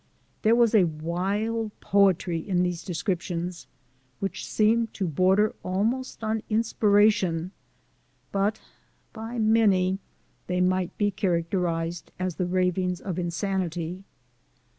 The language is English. There was a wild poetry in these descrip tions which seemed to border almost on inspiration, but by many they might be characterized as the ravings of insanity.